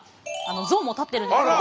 像も建ってるんですけど。